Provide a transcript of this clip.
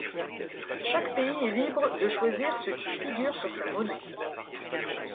Chaque pays est libre de choisir ce qui figure sur sa monnaie.